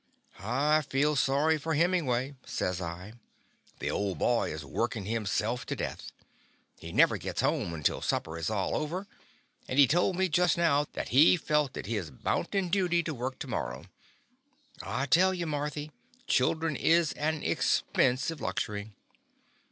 '' "I feel sorry for Hemingway/' says I. "The old boy is workin' himself to death. He never gits home until sup per is all over, and he told me just now that he felt it his bounden duty to work to morrow. I tell you, Mar thy, children is an expensive luxury!"